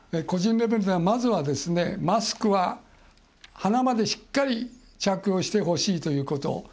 個人レベルですがまずは、マスクは鼻までしっかり着用してほしいということ。